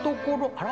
あら？